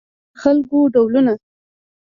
د خلکو ډولونه